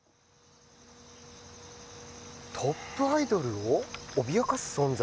トップアイドルを脅かす存在？